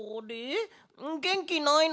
げんきないの？